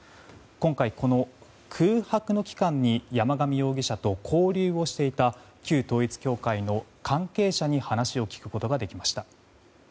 今回、この空白の期間に山上容疑者と交流をしていた旧統一教会の関係者に話を聞くことができました。